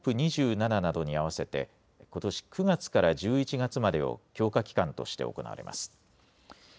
ＣＯＰ２７などに合わせてことし９月からから１１月までを強化期間として行われます。